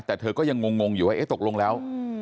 แต่เธอก็ยังงงอยู่ว่าเอ๊ะตกลงแล้ว